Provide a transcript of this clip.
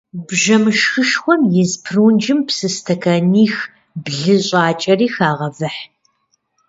Бжэмышхышхуэм из прунжым псы стэканих-блы щӏакӏэри, хагъэвыхь.